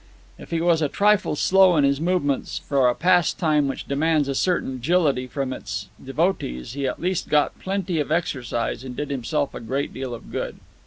If he was a trifle slow in his movements for a pastime which demands a certain agility from its devotees he at least got plenty of exercise and did himself a great deal of good.